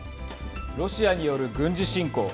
ロシアによる軍事侵攻。